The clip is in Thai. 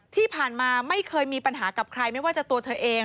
ที่ผ่านมาไม่เคยมีปัญหากับใครไม่ว่าจะตัวเธอเอง